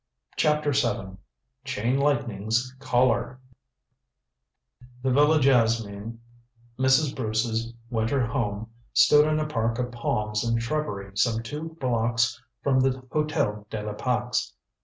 CHAPTER VII CHAIN LIGHTNING'S COLLAR The Villa Jasmine, Mrs. Bruce's winter home, stood in a park of palms and shrubbery some two blocks from the Hotel de la Pax.